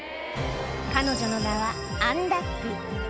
彼女の名はアン・ダッグ。